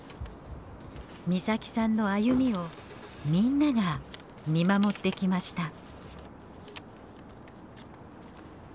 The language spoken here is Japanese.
岬さんの歩みをみんなが見守ってきました。